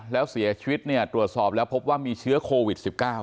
แล้วเสียชีวิตเนี่ยตรวจสอบแล้วพบว่ามีเชื้อโควิด๑๙